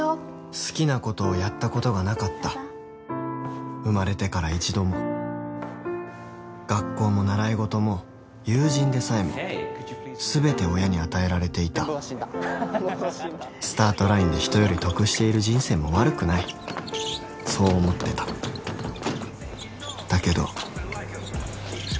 好きなことをやったことがなかった生まれてから一度も学校も習い事も友人でさえもすべて親に与えられていたスタートラインで人より得している人生も悪くないそう思ってただけど